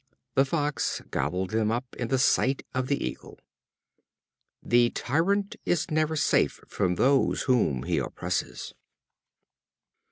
The Fox gobbled them up in the sight of the Eagle. The tyrant is never safe from those whom he oppresses.